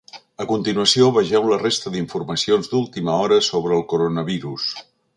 A continuació, vegeu la resta d’informacions d’última hora sobre el coronavirus.